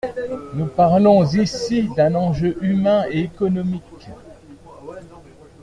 Nous parlons ici d’un enjeu humain et économique.